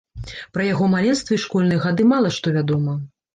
Пра яго маленства і школьныя гады мала што вядома.